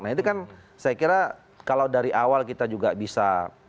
nah itu kan saya kira kalau dari awal kita juga bisa